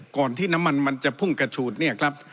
ที่น้ำมันมันจะพุ่งกระฉูดเนี่ยครับ